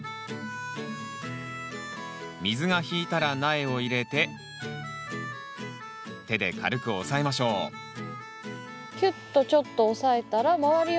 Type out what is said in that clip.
水が引いたら苗を入れて手で軽く押さえましょうキュッとちょっと押さえたら周りを。